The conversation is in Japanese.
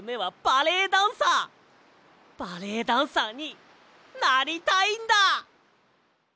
バレエダンサーになりたいんだ！